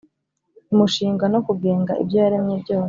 imushinga no kugenga ibyo yaremye byose.